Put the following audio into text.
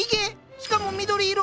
しかも緑色？